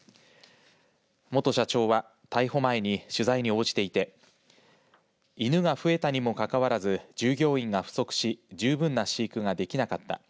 元社長は逮捕前に取材に応じていて犬が増えたにもかかわらず従業員が不足し十分な飼育ができなかった。